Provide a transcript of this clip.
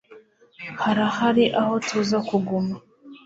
harahari aho tuza kuguma